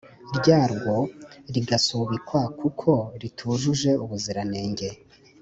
ryarwo rigasubikwa kuko ritujuje ubuziranenge